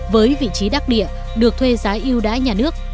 với vị trí đắc địa được thuê giá yêu đái nhà nước